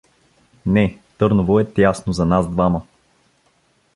— Не, Търново е тясно за нас двама!